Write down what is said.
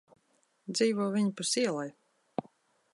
Dzīvo viņpus ielai.